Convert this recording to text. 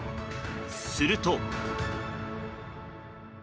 すると。